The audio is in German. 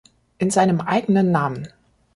In seinem eigenen Namen.